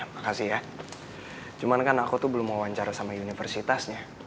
makasih ya cuman kan aku tuh belum mewawancara sama universitasnya